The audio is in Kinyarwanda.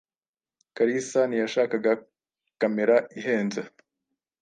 Kalisa ntiyashakaga kamera ihenze.